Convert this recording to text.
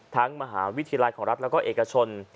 ทั้งมหาวิทยาลัยของรัฐและเอกชน